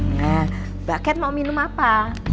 nah mbak kat mau minum apa